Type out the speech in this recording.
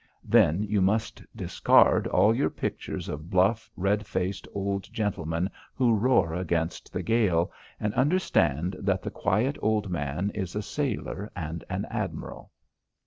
Then you must discard all your pictures of bluff, red faced old gentlemen who roar against the gale, and understand that the quiet old man is a sailor and an admiral.